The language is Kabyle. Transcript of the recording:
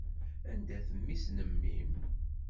Anda-t mmi-s n mmi-m?